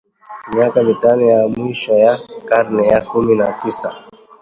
Miaka mitano ya mwisho wa karne ya kumi na tisa